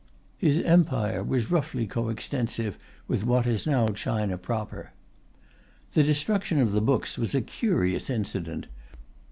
His Empire was roughly co extensive with what is now China proper. The destruction of the books was a curious incident.